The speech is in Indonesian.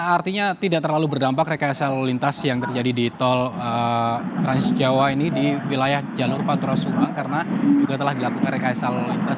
artinya tidak terlalu berdampak rekayasa lalu lintas yang terjadi di tol trans jawa ini di wilayah jalur pantura subang karena juga telah dilakukan rekayasa lalu lintas